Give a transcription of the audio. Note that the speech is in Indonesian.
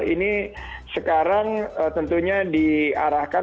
ini sekarang tentunya diarahkan